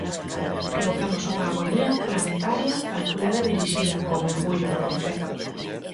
Provoquemos unha agonía planetaria calculada e dirixida, con orgullo, con fe.